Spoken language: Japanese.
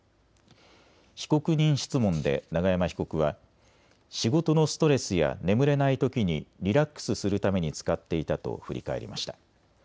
被告人質問で永山被告は仕事のストレスや眠れないときにリラックスするために使っていたと振り返りました。